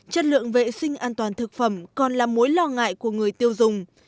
chất lượng vệ sinh an toàn thực phẩm còn là mối lo ngại của người tiêu dùng